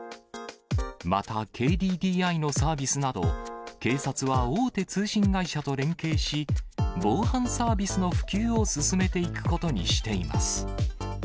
またＫＤＤＩのサービスなど、警察は大手通信会社と連携し、防犯サービスの普及を進めていくことにしています。